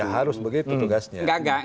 harus begitu tugasnya